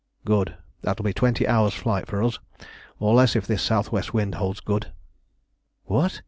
"Good! That will be twenty hours' flight for us, or less if this south west wind holds good." "What!"